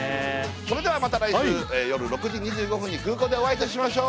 それではまた来週夜６時２５分に空港でお会いいたしましょう。